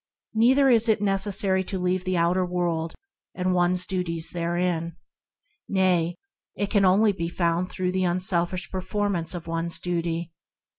Neither is it necessary to leave the outer world, and one's duties therein. Nay, it can only be found through the unselfish performance of one's duty.